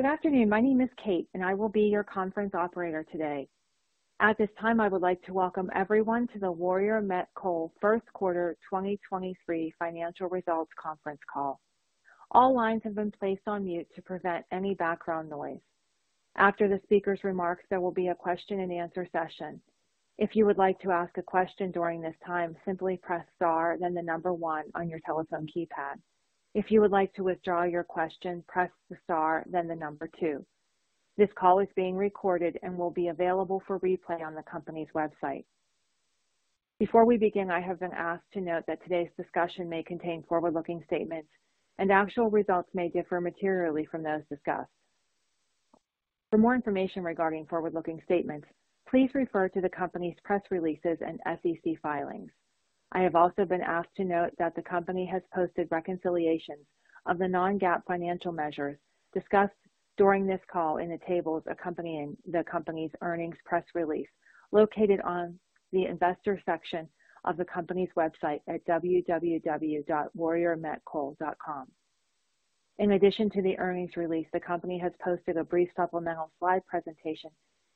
Good afternoon. My name is Kate, I will be your conference operator today. At this time, I would like to welcome everyone to the Warrior Met Coal First Quarter 2023 Financial Results Conference Call. All lines have been placed on mute to prevent any background noise. After the speaker's remarks, there will be a question-and-answer session. If you would like to ask a question during this time, simply press star then the one on your telephone keypad. If you would like to withdraw your question, press the star then the two. This call is being recorded and will be available for replay on the company's website. Before we begin, I have been asked to note that today's discussion may contain forward-looking statements and actual results may differ materially from those discussed. For more information regarding forward-looking statements, please refer to the company's press releases and SEC filings. I have also been asked to note that the company has posted reconciliations of the non-GAAP financial measures discussed during this call in the tables accompanying the company's earnings press release located on the investor section of the company's website at www.warriormetcoal.com. In addition to the earnings release, the company has posted a brief supplemental slide presentation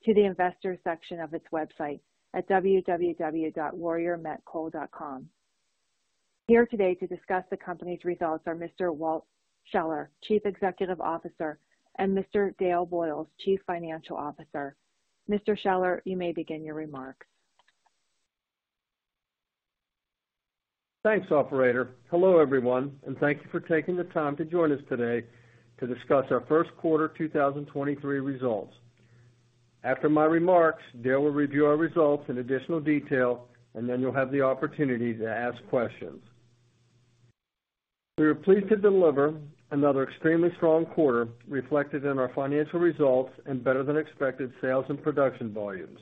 to the investor section of its website at www.warriormetcoal.com. Here today to discuss the company's results are Mr. Walt Scheller, Chief Executive Officer, and Mr. Dale Boyles, Chief Financial Officer. Mr. Scheller, you may begin your remarks. Thanks, operator. Hello, everyone, and thank you for taking the time to join us today to discuss our first quarter 2023 results. After my remarks, Dale will review our results in additional detail, and then you'll have the opportunity to ask questions. We were pleased to deliver another extremely strong quarter reflected in our financial results and better than expected sales and production volumes.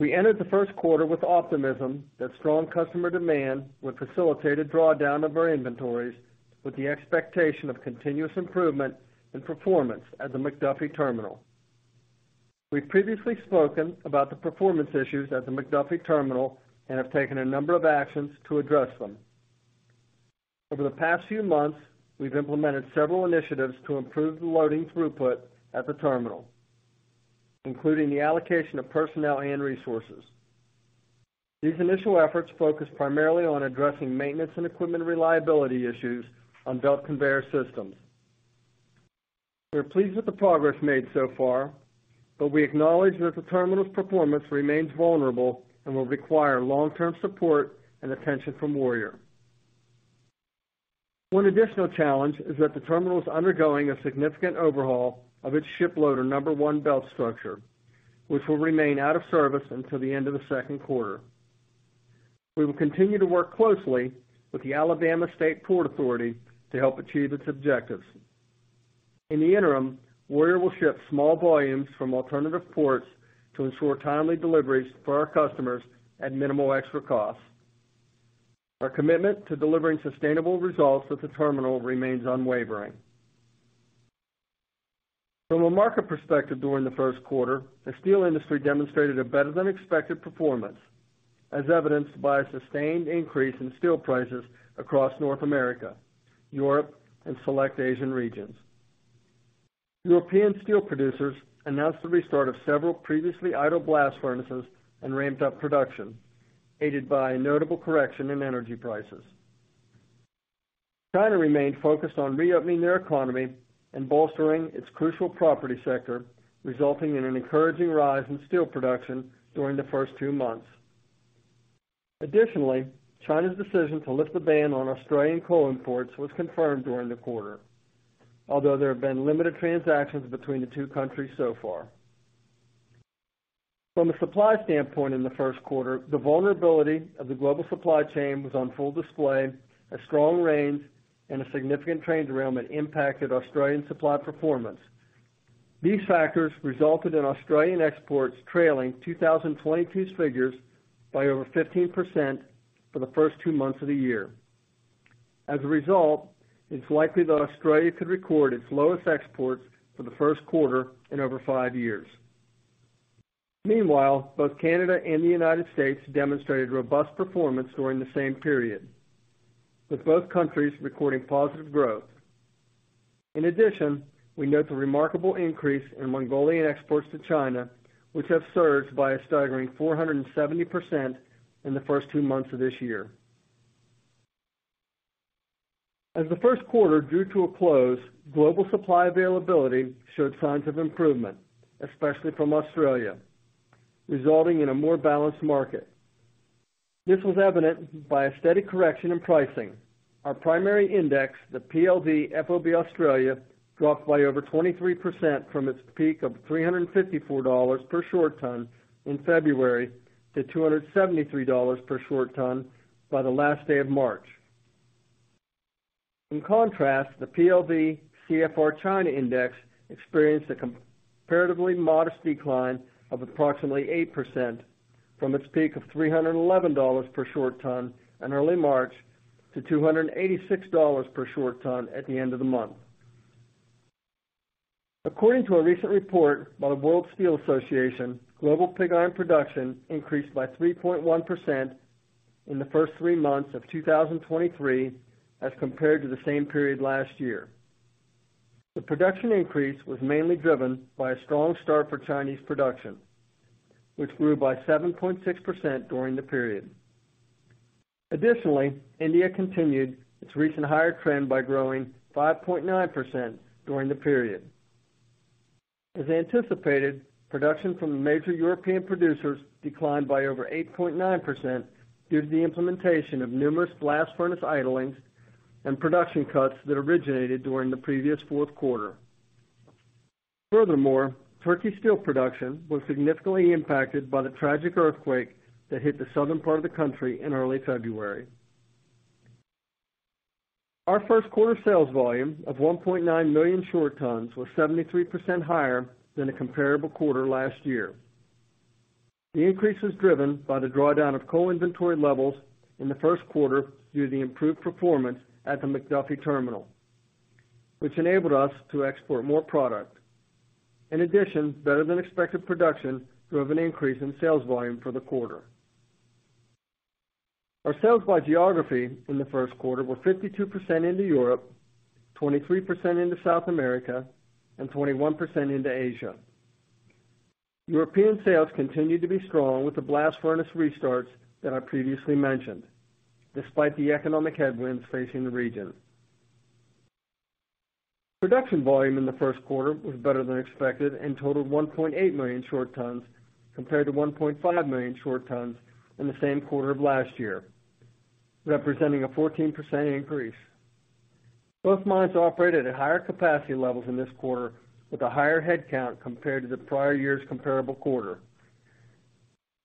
We entered the first quarter with optimism that strong customer demand would facilitate a drawdown of our inventories with the expectation of continuous improvement in performance at the McDuffie Terminal. We've previously spoken about the performance issues at the McDuffie Terminal and have taken a number of actions to address them. Over the past few months, we've implemented several initiatives to improve the loading throughput at the terminal, including the allocation of personnel and resources. These initial efforts focus primarily on addressing maintenance and equipment reliability issues on belt conveyor systems. We're pleased with the progress made so far. We acknowledge that the terminal's performance remains vulnerable and will require long-term support and attention from Warrior. One additional challenge is that the terminal is undergoing a significant overhaul of its ship loader number one belt structure, which will remain out of service until the end of the second quarter. We will continue to work closely with the Alabama State Port Authority to help achieve its objectives. In the interim, Warrior will ship small volumes from alternative ports to ensure timely deliveries for our customers at minimal extra cost. Our commitment to delivering sustainable results at the terminal remains unwavering. From a market perspective during the first quarter, the steel industry demonstrated a better-than-expected performance, as evidenced by a sustained increase in steel prices across North America, Europe, and select Asian regions. European steel producers announced the restart of several previously idle blast furnaces and ramped up production, aided by a notable correction in energy prices. China remained focused on reopening their economy and bolstering its crucial property sector, resulting in an encouraging rise in steel production during the first 2 months. China's decision to lift the ban on Australian coal imports was confirmed during the quarter, although there have been limited transactions between the 2 countries so far. From a supply standpoint in the first quarter, the vulnerability of the global supply chain was on full display as strong rains and a significant train derailment impacted Australian supply performance. These factors resulted in Australian exports trailing 2022's figures by over 15% for the first two months of the year. As a result, it's likely that Australia could record its lowest exports for the first quarter in over five years. Meanwhile, both Canada and the United States demonstrated robust performance during the same period, with both countries recording positive growth. In addition, we note the remarkable increase in Mongolian exports to China, which have surged by a staggering 470% in the first two months of this year. As the first quarter drew to a close, global supply availability showed signs of improvement, especially from Australia, resulting in a more balanced market. This was evident by a steady correction in pricing. Our primary index, the PLV FOB Australia, dropped by over 23% from its peak of $354 per short ton in February to $273 per short ton by the last day of March. In contrast, the PLV CFR China index experienced a comparatively modest decline of approximately 8% from its peak of $311 per short ton in early March to $286 per short ton at the end of the month. According to a recent report by the World Steel Association, global pig iron production increased by 3.1% in the first three months of 2023 as compared to the same period last year. The production increase was mainly driven by a strong start for Chinese production, which grew by 7.6% during the period. India continued its recent higher trend by growing 5.9% during the period. As anticipated, production from the major European producers declined by over 8.9% due to the implementation of numerous blast furnace idlings and production cuts that originated during the previous fourth quarter. Turkey steel production was significantly impacted by the tragic earthquake that hit the southern part of the country in early February. Our first quarter sales volume of 1.9 million short tons was 73% higher than the comparable quarter last year. The increase was driven by the drawdown of coal inventory levels in the first quarter due to the improved performance at the McDuffie terminal, which enabled us to export more product. Better than expected production drove an increase in sales volume for the quarter. Our sales by geography in the first quarter were 52% into Europe, 23% into South America, and 21% into Asia. European sales continued to be strong with the blast furnaces restarts that I previously mentioned, despite the economic headwinds facing the region. Production volume in the first quarter was better than expected and totaled 1.8 million short tons compared to 1.5 million short tons in the same quarter of last year, representing a 14% increase. Both mines operated at higher capacity levels in this quarter with a higher headcount compared to the prior year's comparable quarter.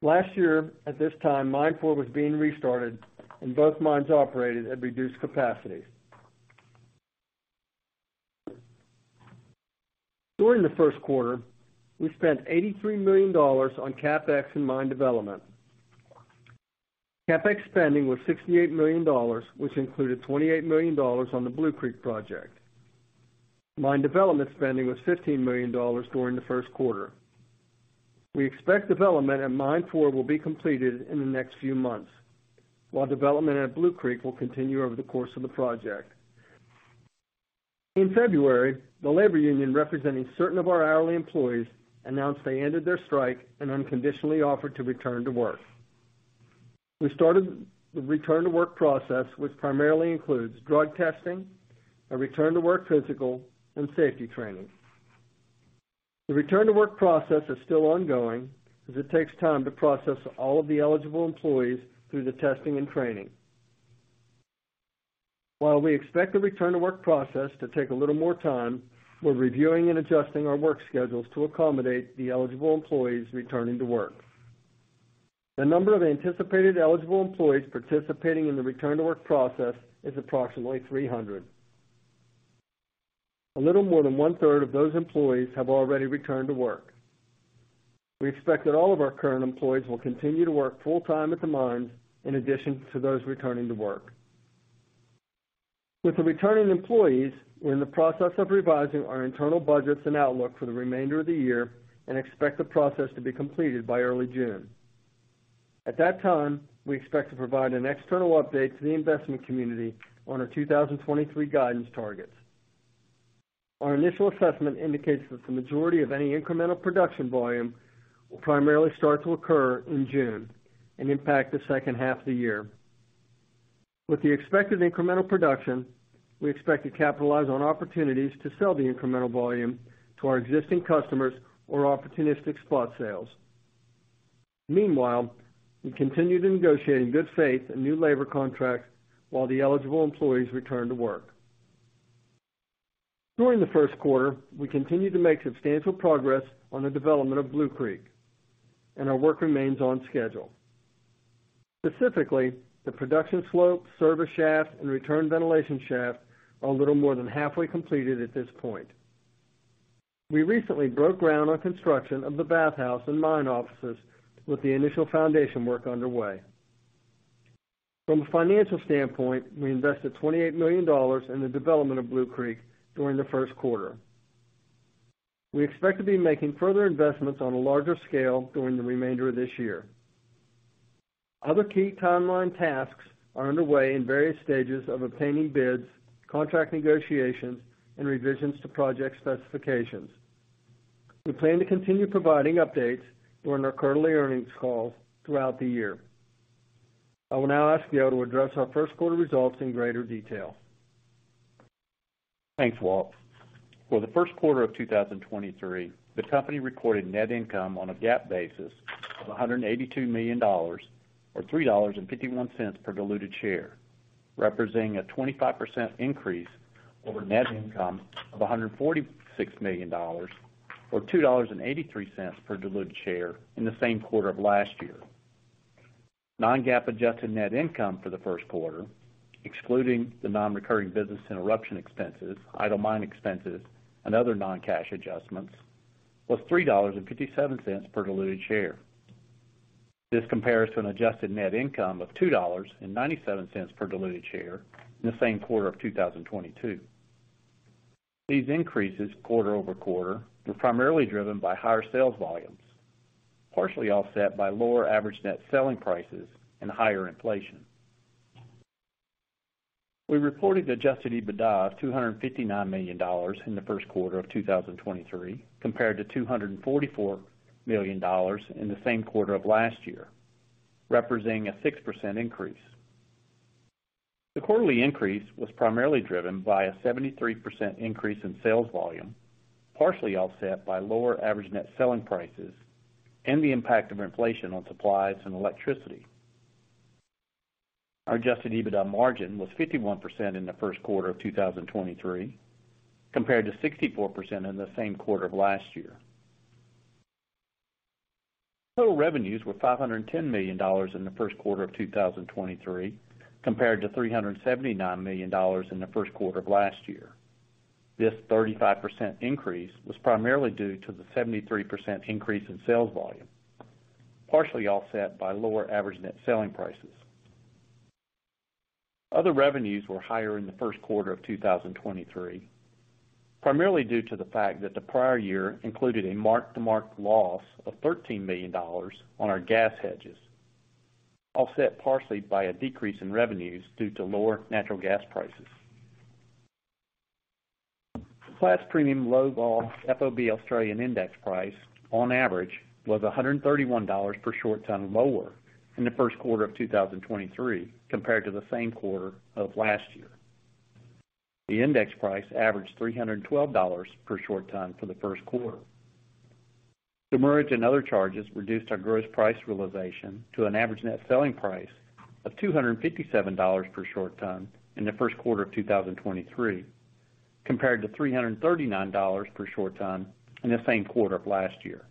Last year, at this time, mine 4 was being restarted and both mines operated at reduced capacity. During the first quarter, we spent $83 million on CapEx and mine development. CapEx spending was $68 million, which included $28 million on the Blue Creek project. Mine development spending was $15 million during the first quarter. We expect development at mine 4 will be completed in the next few months, while development at Blue Creek will continue over the course of the project. In February, the labor union representing certain of our hourly employees announced they ended their strike and unconditionally offered to return to work. We started the return to work process, which primarily includes drug testing, a return to work physical, and safety training. The return to work process is still ongoing as it takes time to process all of the eligible employees through the testing and training. While we expect the return to work process to take a little more time, we're reviewing and adjusting our work schedules to accommodate the eligible employees returning to work. The number of anticipated eligible employees participating in the return to work process is approximately 300. A little more than one-third of those employees have already returned to work. We expect that all of our current employees will continue to work full-time at the mines in addition to those returning to work. With the returning employees, we're in the process of revising our internal budgets and outlook for the remainder of the year and expect the process to be completed by early June. At that time, we expect to provide an external update to the investment community on our 2023 guidance targets. Our initial assessment indicates that the majority of any incremental production volume will primarily start to occur in June and impact the second half of the year. With the expected incremental production, we expect to capitalize on opportunities to sell the incremental volume to our existing customers or opportunistic spot sales. Meanwhile, we continue to negotiate in good faith a new labor contract while the eligible employees return to work. During the first quarter, we continued to make substantial progress on the development of Blue Creek, and our work remains on schedule. Specifically, the production slope, service shaft, and return ventilation shaft are a little more than halfway completed at this point. We recently broke ground on construction of the bathhouse and mine offices with the initial foundation work underway. From a financial standpoint, we invested $28 million in the development of Blue Creek during the first quarter. We expect to be making further investments on a larger scale during the remainder of this year. Other key timeline tasks are underway in various stages of obtaining bids, contract negotiations, and revisions to project specifications. We plan to continue providing updates during our quarterly earnings calls throughout the year. I will now ask Dale to address our first quarter results in greater detail. Thanks, Walt. For the first quarter of 2023, the company recorded net income on a GAAP basis of $182 million, or $3.51 per diluted share, representing a 25% increase over net income of $146 million or $2.83 per diluted share in the same quarter of last year. non-GAAP adjusted net income for the first quarter, excluding the non-recurring business interruption expenses, idle mine expenses, and other non-cash adjustments was $3.57 per diluted share. This compares to an adjusted net income of $2.97 per diluted share in the same quarter of 2022. These increases quarter-over-quarter were primarily driven by higher sales volumes, partially offset by lower average net selling prices and higher inflation. We reported adjusted EBITDA of $259 million in the first quarter of 2023 compared to $244 million in the same quarter of last year, representing a 6% increase. The quarterly increase was primarily driven by a 73% increase in sales volume, partially offset by lower average net selling prices and the impact of inflation on supplies and electricity. Our adjusted EBITDA margin was 51% in the first quarter of 2023 compared to 64% in the same quarter of last year. Total revenues were $510 million in the first quarter of 2023 compared to $379 million in the first quarter of last year. This 35% increase was primarily due to the 73% increase in sales volume, partially offset by lower average net selling prices. Other revenues were higher in the first quarter of 2023, primarily due to the fact that the prior year included a mark-to-market loss of $13 million on our gas hedges, offset partially by a decrease in revenues due to lower natural gas prices. Platts Premium Low Vol FOB Australian index price on average was $131 per short ton lower in the first quarter of 2023 compared to the same quarter of last year. The index price averaged $312 per short ton for the first quarter. Demurrage and other charges reduced our gross price realization to an average net selling price of $257 per short ton in the first quarter of 2023 compared to $339 per short ton in the same quarter of last year.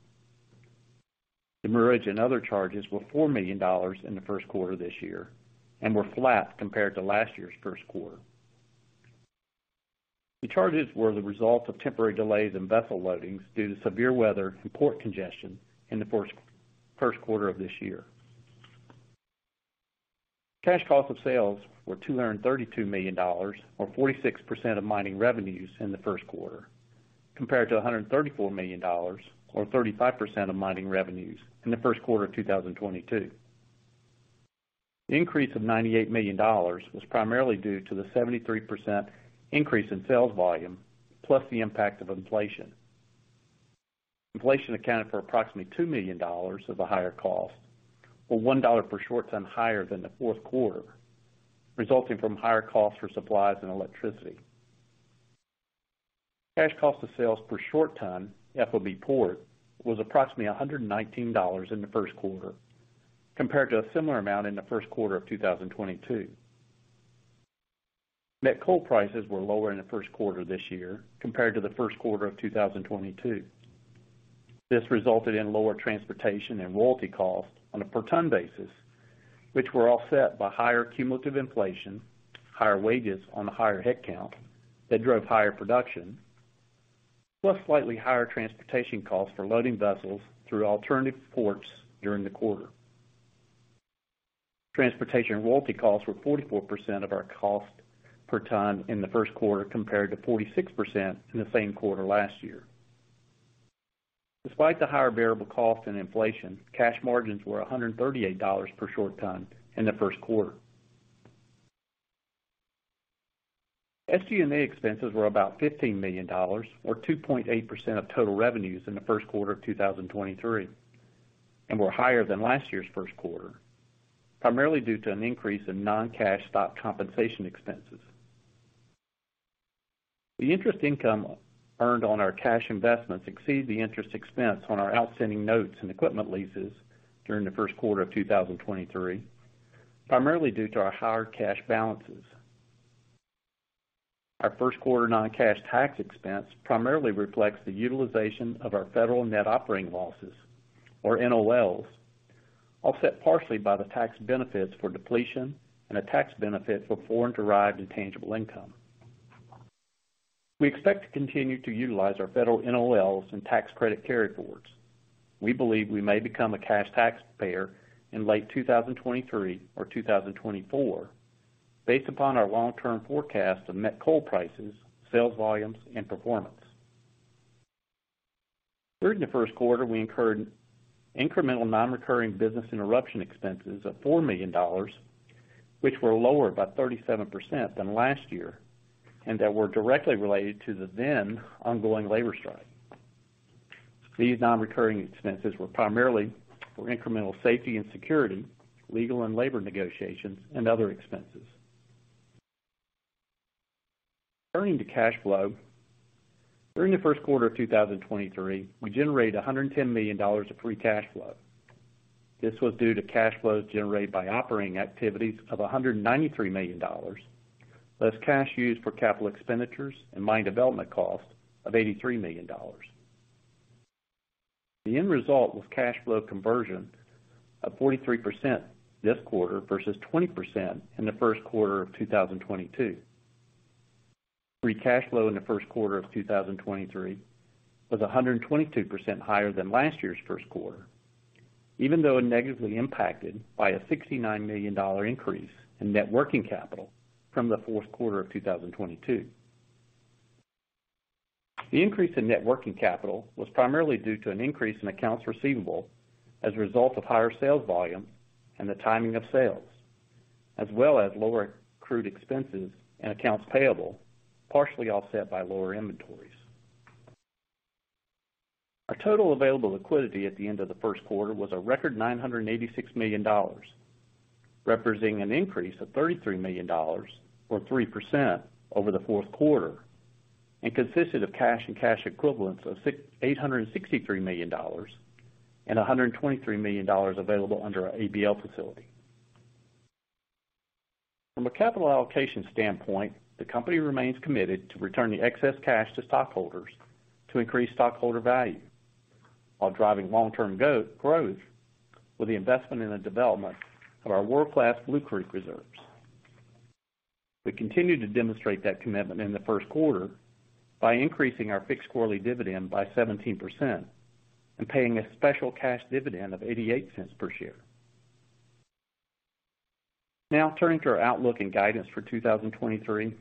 Demurrage and other charges were $4 million in the first quarter this year and were flat compared to last year's first quarter. The charges were the result of temporary delays in vessel loadings due to severe weather and port congestion in the first quarter of this year. Cash cost of sales were $232 million, or 46% of mining revenues in the first quarter, compared to $134 million or 35% of mining revenues in the first quarter of 2022. The increase of $98 million was primarily due to the 73% increase in sales volume, plus the impact of inflation. Inflation accounted for approximately $2 million of the higher cost, or $1 per short ton higher than the fourth quarter, resulting from higher costs for supplies and electricity. Cash cost of sales per short ton FOB port was approximately $119 in the first quarter compared to a similar amount in the first quarter of 2022. Net coal prices were lower in the first quarter this year compared to the first quarter of 2022. This resulted in lower transportation and royalty costs on a per ton basis, which were offset by higher cumulative inflation, higher wages on the higher headcount that drove higher production, plus slightly higher transportation costs for loading vessels through alternative ports during the quarter. Transportation and royalty costs were 44% of our cost per ton in the first quarter compared to 46% in the same quarter last year. Despite the higher variable cost and inflation, cash margins were $138 per short ton in the first quarter. SG&A expenses were about $15 million or 2.8% of total revenues in the first quarter of 2023 and were higher than last year's first quarter, primarily due to an increase in non-cash stock compensation expenses. The interest income earned on our cash investments exceed the interest expense on our outstanding notes and equipment leases during the first quarter of 2023, primarily due to our higher cash balances. Our first quarter non-cash tax expense primarily reflects the utilization of our federal net operating losses, or NOLs, offset partially by the tax benefits for depletion and a tax benefit for foreign-derived intangible income. We expect to continue to utilize our federal NOLs and tax credit carryforwards. We believe we may become a cash taxpayer in late 2023 or 2024 based upon our long-term forecast of net coal prices, sales volumes, and performance. During the first quarter, we incurred incremental non-recurring business interruption expenses of $4 million which were lower by 37% than last year and that were directly related to the then ongoing labor strike. These non-recurring expenses were primarily for incremental safety and security, legal and labor negotiations and other expenses. Turning to cash flow. During the first quarter of 2023, we generated $110 million of free cash flow. This was due to cash flows generated by operating activities of $193 million, less cash used for CapEx and mine development costs of $83 million. The end result was cash flow conversion of 43% this quarter versus 20% in the first quarter of 2022. Free cash flow in the first quarter of 2023 was 122% higher than last year's first quarter, even though it negatively impacted by a $69 million increase in net working capital from the fourth quarter of 2022. The increase in net working capital was primarily due to an increase in accounts receivable as a result of higher sales volume and the timing of sales, as well as lower accrued expenses and accounts payable, partially offset by lower inventories. Our total available liquidity at the end of the first quarter was a record $986 million, representing an increase of $33 million or 3% over the fourth quarter, and consisted of cash and cash equivalents of $863 million and $123 million available under our ABL facility. From a capital allocation standpoint, the company remains committed to return the excess cash to stockholders to increase stockholder value while driving long-term growth with the investment in the development of our world-class Blue Creek reserves. We continue to demonstrate that commitment in the first quarter by increasing our fixed quarterly dividend by 17% and paying a special cash dividend of $0.88 per share. Turning to our outlook and guidance for 2023.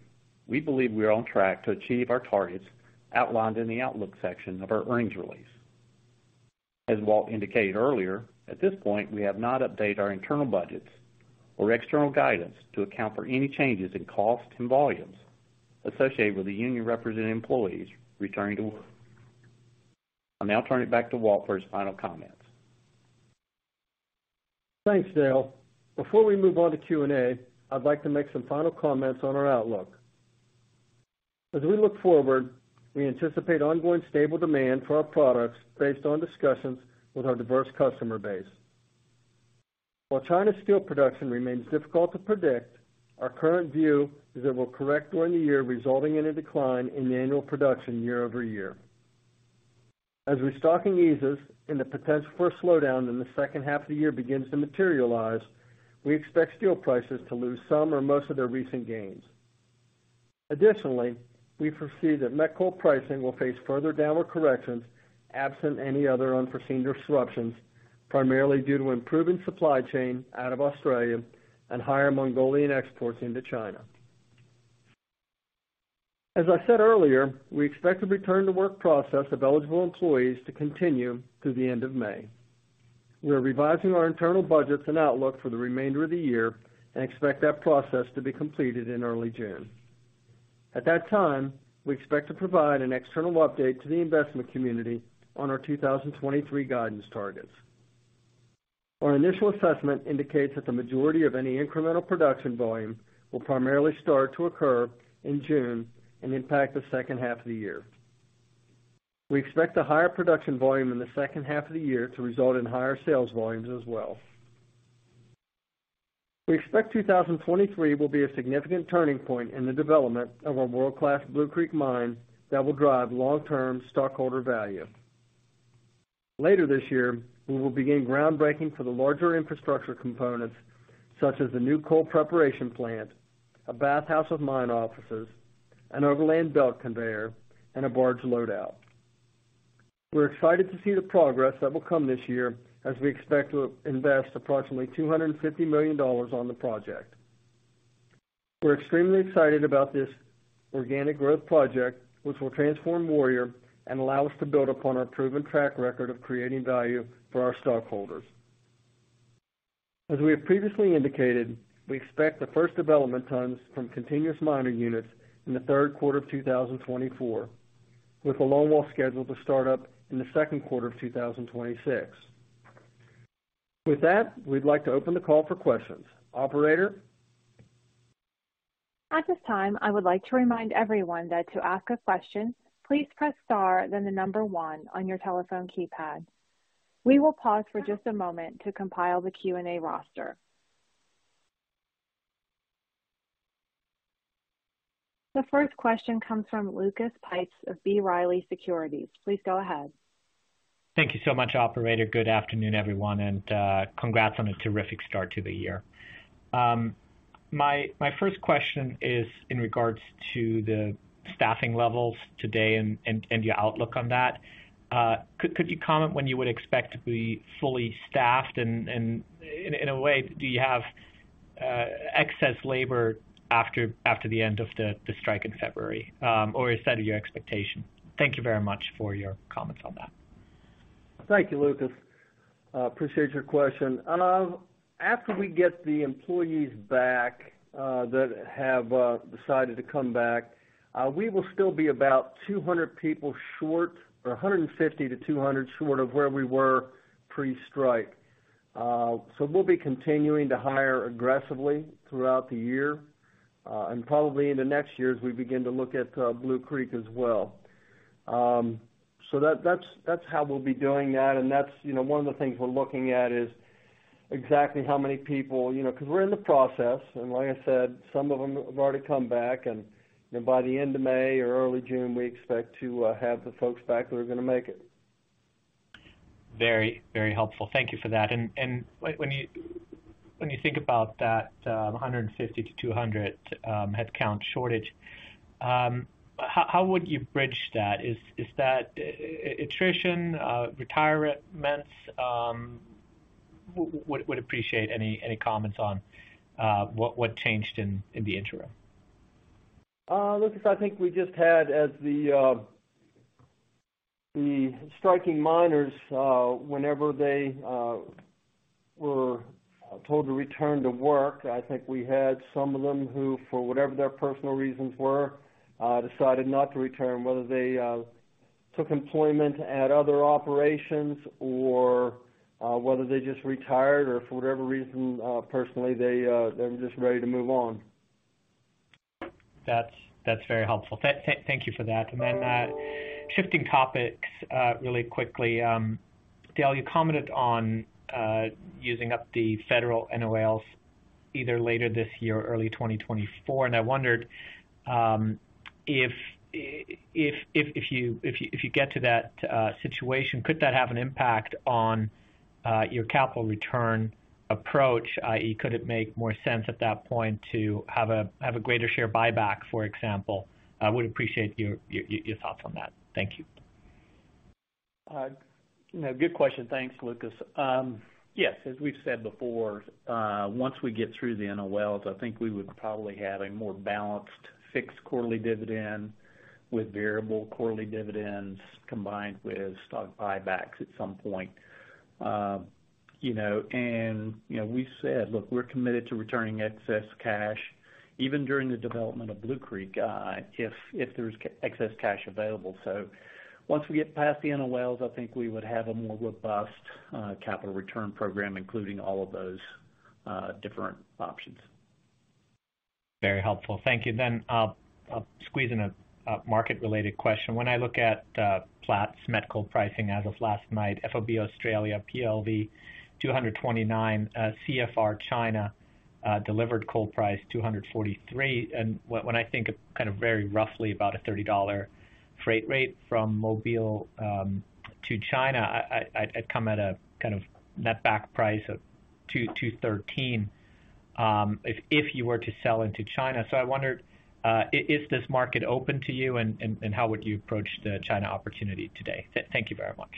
We believe we are on track to achieve our targets outlined in the outlook section of our earnings release. As Walt indicated earlier, at this point, we have not updated our internal budgets or external guidance to account for any changes in costs and volumes associated with the union represented employees returning to work. I'll now turn it back to Walt for his final comments. Thanks, Dale. Before we move on to Q&A, I'd like to make some final comments on our outlook. As we look forward, we anticipate ongoing stable demand for our products based on discussions with our diverse customer base. While China's steel production remains difficult to predict, our current view is it will correct during the year, resulting in a decline in the annual production year-over-year. As restocking eases and the potential for a slowdown in the second half of the year begins to materialize, we expect steel prices to lose some or most of their recent gains. Additionally, we foresee that met coal pricing will face further downward corrections absent any other unforeseen disruptions, primarily due to improving supply chain out of Australia and higher Mongolian exports into China. As I said earlier, we expect the return to work process of eligible employees to continue through the end of May. We are revising our internal budgets and outlook for the remainder of the year and expect that process to be completed in early June. At that time, we expect to provide an external update to the investment community on our 2023 guidance targets. Our initial assessment indicates that the majority of any incremental production volume will primarily start to occur in June and impact the second half of the year. We expect the higher production volume in the second half of the year to result in higher sales volumes as well. We expect 2023 will be a significant turning point in the development of our world-class Blue Creek mine that will drive long-term stockholder value. Later this year, we will begin groundbreaking for the larger infrastructure components such as the new coal preparation plant, a bathhouse of mine offices, an overland belt conveyor, and a barge loadout. We're excited to see the progress that will come this year as we expect to invest approximately $250 million on the project. We're extremely excited about this organic growth project, which will transform Warrior and allow us to build upon our proven track record of creating value for our stockholders. As we have previously indicated, we expect the first development tons from continuous mining units in the third quarter of 2024, with the longwall scheduled to start up in the second quarter of 2026. With that, we'd like to open the call for questions. Operator? At this time, I would like to remind everyone that to ask a question, please press star, then the number one on your telephone keypad. We will pause for just a moment to compile the Q&A roster. The first question comes from Lucas Pipes of B. Riley Securities Please go ahead. Thank you so much, operator. Good afternoon, everyone, and congrats on a terrific start to the year. My first question is in regards to the staffing levels today and your outlook on that. Could you comment when you would expect to be fully staffed? In a way, do you have excess labor after the end of the strike in February? Is that your expectation? Thank you very much for your comments on that. Thank you, Lucas. Appreciate your question. After we get the employees back, that have decided to come back, we will still be about 200 people short or 150-200 short of where we were pre-strike. We'll be continuing to hire aggressively throughout the year, and probably into next year as we begin to look at Blue Creek as well. That, that's how we'll be doing that. That's, you know, one of the things we're looking at is exactly how many people, you know, 'cause we're in the process. Like I said, some of them have already come back and, you know, by the end of May or early June, we expect to have the folks back who are gonna make it. Very, very helpful. Thank you for that. When you think about that, 150 to 200 headcount shortage, how would you bridge that? Is that attrition, retirements? Would appreciate any comments on what changed in the interim. Lucas, I think we just had as the striking miners, whenever they were told to return to work, I think we had some of them who, for whatever their personal reasons were, decided not to return, whether they took employment at other operations or whether they just retired or for whatever reason, personally, they're just ready to move on. That's very helpful. Thank you for that. Shifting topics really quickly. Dale, you commented on using up the federal NOLs either later this year or early 2024, and I wondered if you get to that situation, could that have an impact on your capital return approach, i.e., could it make more sense at that point to have a greater share buyback, for example? I would appreciate your thoughts on that. Thank you. Good question. Thanks, Lucas. Yes, as we've said before, once we get through the NOLs, I think we would probably have a more balanced fixed quarterly dividend with variable quarterly dividends combined with stock buybacks at some point. you know, and, you know, we've said, look, we're committed to returning excess cash even during the development of Blue Creek, if there's excess cash available. Once we get past the NOLs, I think we would have a more robust, capital return program, including all of those, different options. Very helpful. Thank you. I'll squeeze in a market-related question. When I look at Platts met coal pricing as of last night, FOB Australia PLV 229, CFR China delivered coal price 243. When I think of kind of very roughly about a $30 freight rate from Mobile to China, I'd come at a kind of net back price of $213 if you were to sell into China. I wondered, is this market open to you and how would you approach the China opportunity today? Thank you very much.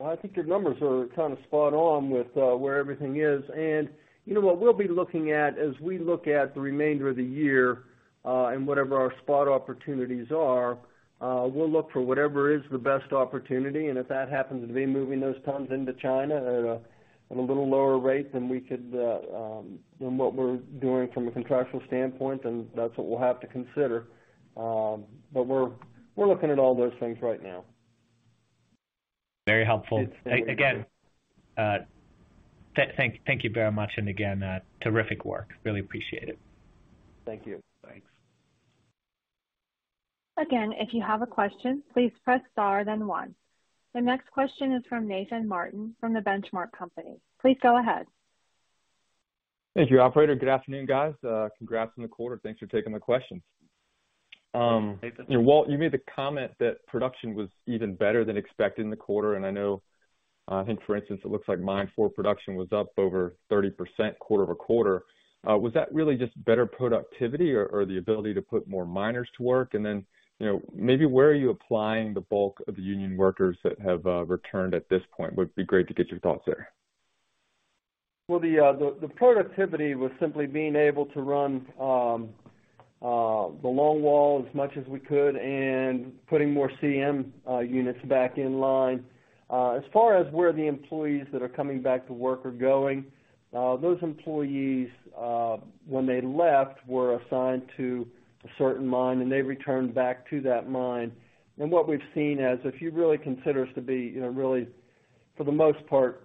I think your numbers are kind of spot on with where everything is. You know what we'll be looking at as we look at the remainder of the year, and whatever our spot opportunities are, we'll look for whatever is the best opportunity. If that happens to be moving those tons into China at a little lower rate than we could than what we're doing from a contractual standpoint, then that's what we'll have to consider. But we're looking at all those things right now. Very helpful. Again, thank you very much. Again, terrific work. Really appreciate it. Thank you. Thanks. Again, if you have a question, please press star then one. The next question is from Nathan Martin from The Benchmark Company. Please go ahead. Thank you, operator. Good afternoon, guys. Congrats on the quarter. Thanks for taking the questions. Nathan. Walt, you made the comment that production was even better than expected in the quarter. I know, I think for instance, it looks like Mine 4 production was up over 30% quarter-over-quarter. Was that really just better productivity or the ability to put more miners to work? Then, you know, maybe where are you applying the bulk of the union workers that have returned at this point? Would be great to get your thoughts there. Well, the productivity was simply being able to run the longwall as much as we could and putting more CM units back in line. As far as where the employees that are coming back to work are going, those employees, when they left, were assigned to a certain mine, and they returned back to that mine. What we've seen as if you really consider us to be, you know, really, for the most part,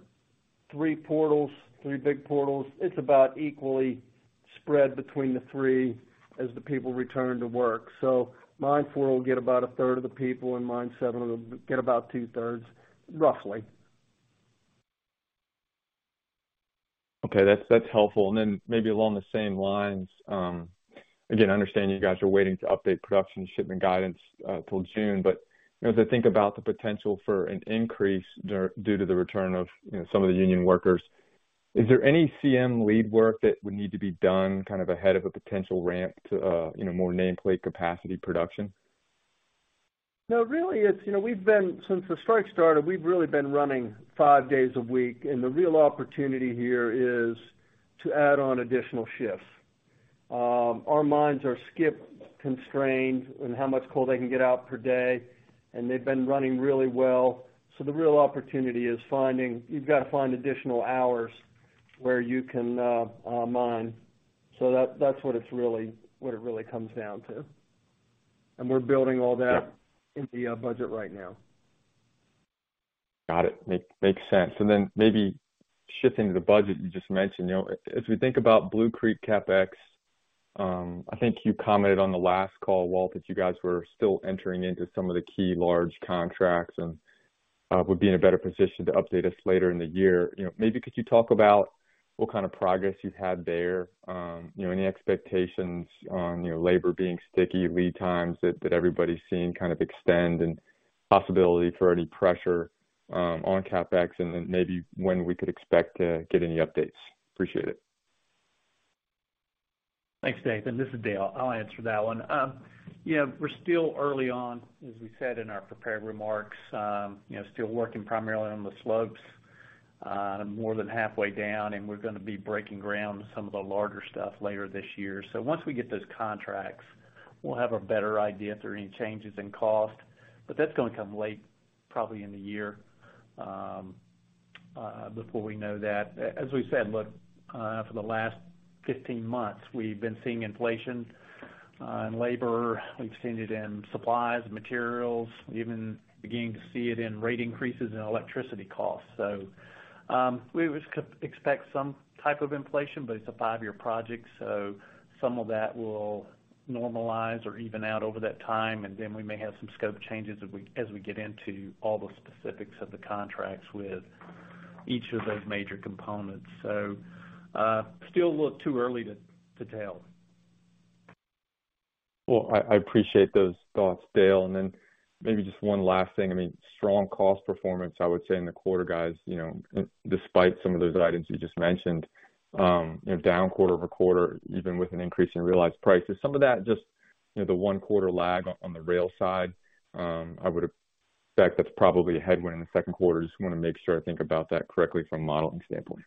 three portals, three big portals, it's about equally spread between the three as the people return to work. Mine four will get about a third of the people, and mine seven will get about two-thirds, roughly. Okay. That's helpful. Then maybe along the same lines, again, I understand you guys are waiting to update production shipment guidance till June, but, you know, as I think about the potential for an increase due to the return of, you know, some of the union workers is there any CM lead work that would need to be done kind of ahead of a potential ramp to, you know, more nameplate capacity production? No, really it's, you know, since the strike started, we've really been running five days a week, and the real opportunity here is to add on additional shifts. Our mines are skip constrained in how much coal they can get out per day, and they've been running really well. The real opportunity is finding, you've got to find additional hours where you can mine. That's what it really comes down to. We're building all that. Yeah. into our budget right now. Got it. Makes sense. Maybe shifting to the budget you just mentioned. You know, as we think about Blue Creek CapEx, I think you commented on the last call, Walt, that you guys were still entering into some of the key large contracts and would be in a better position to update us later in the year. You know, maybe could you talk about what kind of progress you've had there, you know, any expectations on, you know, labor being sticky, lead times that everybody's seeing kind of extend and possibility for any pressure on CapEx and then maybe when we could expect to get any updates. Appreciate it. Thanks, Nathan. This is Dale. I'll answer that one. Yeah, we're still early on, as we said in our prepared remarks. You know, still working primarily on the slopes, more than halfway down, and we're gonna be breaking ground some of the larger stuff later this year. Once we get those contracts, we'll have a better idea if there are any changes in cost. That's gonna come late, probably in the year, before we know that. As we said, look, for the last 15 months, we've been seeing inflation in labor. We've seen it in supplies and materials. Even beginning to see it in rate increases in electricity costs. We would expect some type of inflation, but it's a 5-year project, so some of that will normalize or even out over that time. We may have some scope changes as we get into all the specifics of the contracts with each of those major components. Still a little too early to tell. Well, I appreciate those thoughts, Dale. Then maybe just one last thing. I mean, strong cost performance, I would say in the quarter, guys, you know, despite some of those items you just mentioned, you know, down quarter-over-quarter, even with an increase in realized prices. Some of that just, you know, the one quarter lag on the rail side, I would expect that's probably a headwind in the second quarter. Just wanna make sure I think about that correctly from a modeling standpoint.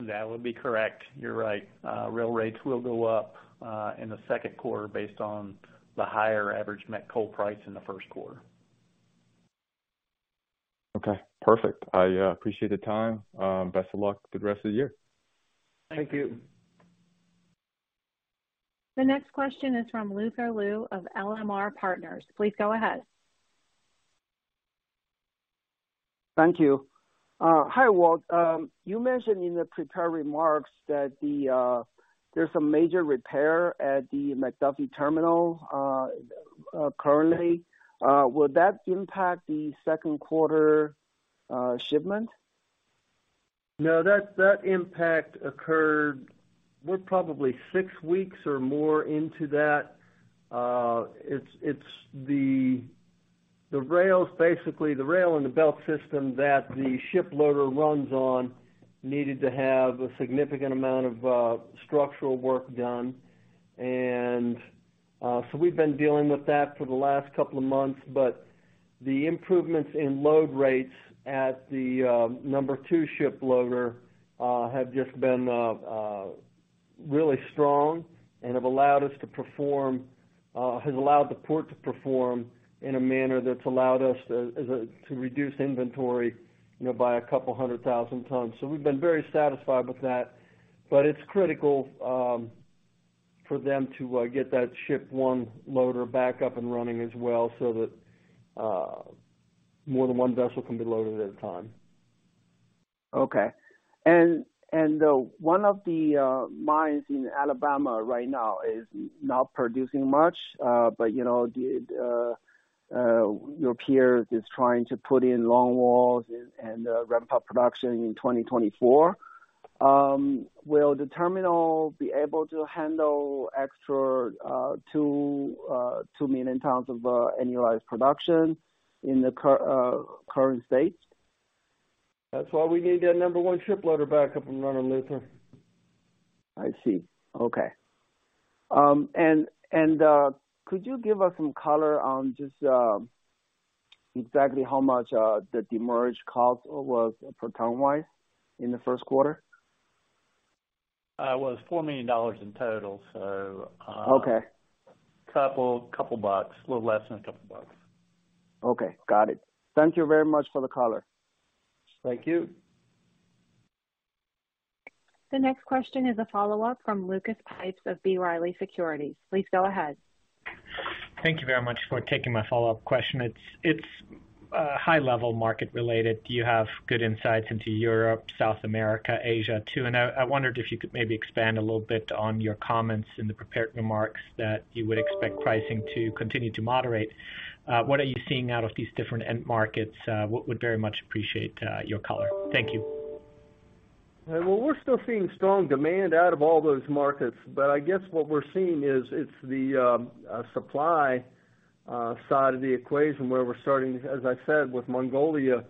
That would be correct. You're right. Rail rates will go up in the second quarter based on the higher average met coal price in the first quarter. Okay, perfect. I appreciate the time. Best of luck with the rest of the year. Thank you. The next question is from Luther Lu of LMR Partners. Please go ahead. Thank you. Hi, Walt. You mentioned in the prepared remarks that there's a major repair at the McDuffie terminal currently. Would that impact the second quarter shipment? No, that impact occurred, we're probably six weeks or more into that. It's the rails, basically the rail and the belt system that the ship loader runs on needed to have a significant amount of structural work done. We've been dealing with that for the last couple of months. The improvements in load rates at the number two ship loader have just been really strong and have allowed us to perform, has allowed the port to perform in a manner that's allowed us to reduce inventory, you know, by a couple 100,000 tons. We've been very satisfied with that. It's critical for them to get that ship one loader back up and running as well so that more than one vessel can be loaded at a time. Okay. One of the mines in Alabama right now is not producing much. You know, your peer is trying to put in longwalls and ramp up production in 2024. Will the terminal be able to handle extra 2 million tons of annualized production in the current state? That's why we need that number one ship loader back up and running, Luther. I see. Okay. Could you give us some color on just exactly how much the demurrage cost was for demurrage in the first quarter? It was $4 million in total. Okay. Couple bucks. A little less than a couple bucks. Okay, got it. Thank you very much for the color. Thank you. The next question is a follow-up from Lucas Pipes of B. Riley Securities. Please go ahead. Thank you very much for taking my follow-up question. It's high level market related. Do you have good insights into Europe, South America, Asia too? I wondered if you could maybe expand a little bit on your comments in the prepared remarks that you would expect pricing to continue to moderate. What are you seeing out of these different end markets? Would very much appreciate your color. Thank you. We're still seeing strong demand out of all those markets, but I guess what we're seeing is it's the supply side of the equation where we're starting, as I said, with Mongolia,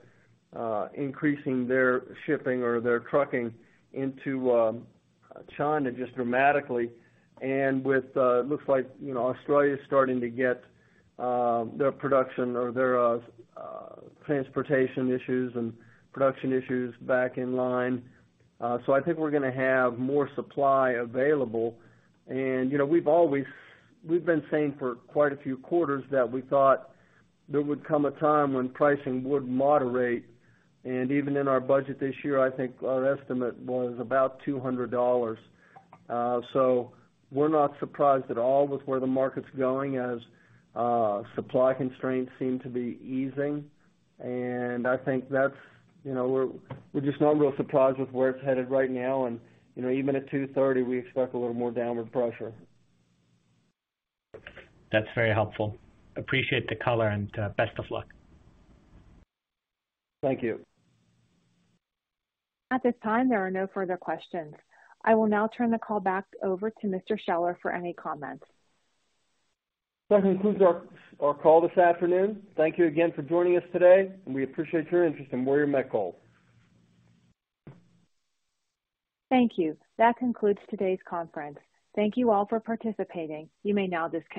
increasing their shipping or their trucking into China just dramatically. With, it looks like, you know, Australia is starting to get their production or their transportation issues and production issues back in line. I think we're gonna have more supply available. You know, we've been saying for quite a few quarters that we thought there would come a time when pricing would moderate. Even in our budget this year, I think our estimate was about $200. We're not surprised at all with where the market's going as supply constraints seem to be easing. I think that's, you know, we're just not real surprised with where it's headed right now. You know, even at $230, we expect a little more downward pressure. That's very helpful. Appreciate the color and, best of luck. Thank you. At this time, there are no further questions. I will now turn the call back over to Mr. Scheller for any comments. That concludes our call this afternoon. Thank you again for joining us today, and we appreciate your interest in Warrior Met Coal. Thank you. That concludes today's conference. Thank you all for participating. You may now disconnect.